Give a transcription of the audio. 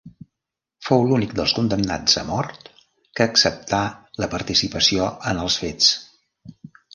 Fou l'únic dels condemnats a mort que acceptà la participació en els fets.